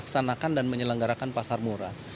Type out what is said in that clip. kita sudah melaksanakan dan menyelenggarakan pasar murah